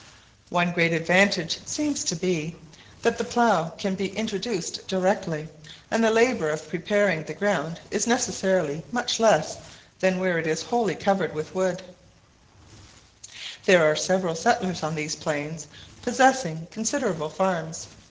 One great advantage seems to be, that the plough can be introduced directly, and the labour of preparing the ground is necessarily much less than where it is wholly covered with wood. [Illustration: Rice Grounds] There are several settlers on these plains possessing considerable farms.